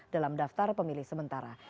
dalam daftar pemilih sementara